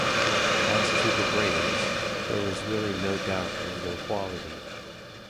As to the brains, there was really no doubt of their quality.